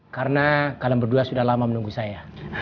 karena kalian berdua sudah lama menunggu saya